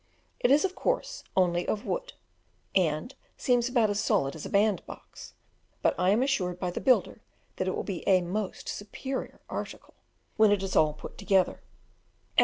It is, of course, only of wood, and seems about as solid as a band box; but I am assured by the builder that it will be a "most superior article" when it is all put together.